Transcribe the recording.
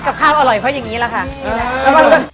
กับข้าวอร่อยเขาอย่างนี้แหละค่ะ